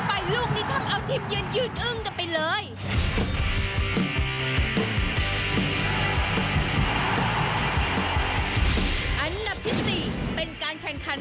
อันดับที่๔เป็นการแข่งขัน